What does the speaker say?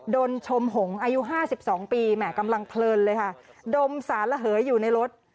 นชมหงอายุ๕๒ปีแหม่กำลังเพลินเลยค่ะดมสารระเหยอยู่ในรถ